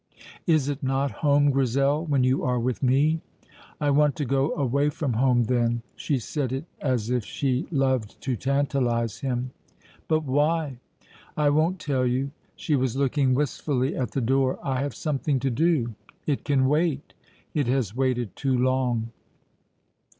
"Is it not home, Grizel, when you are with me?" "I want to go away from home, then." She said it as if she loved to tantalize him. "But why?" "I won't tell you." She was looking wistfully at the door. "I have something to do." "It can wait." "It has waited too long."